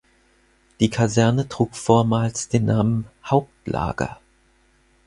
Die Kaserne trug vormals den Namen „Hauptlager“.